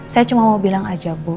saya cuma mau bilang aja bu